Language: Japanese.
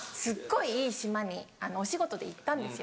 いい島にお仕事で行ったんですよ。